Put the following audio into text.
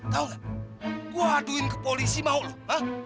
tahu gak gue aduin ke polisi mahok lo hah